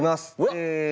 え